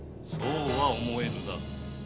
そうは思えぬな。